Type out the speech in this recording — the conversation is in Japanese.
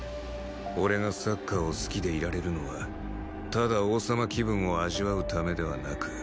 俺がサッカーを好きでいられるのはただ王様気分を味わうためではなく